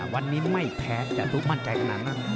วันนี้ไม่แพ้จตุมั่นใจขนาดนั้น